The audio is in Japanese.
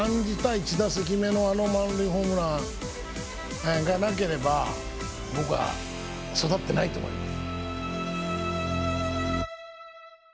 １打席目のあの満塁ホームランがなければ僕は育ってないと思います。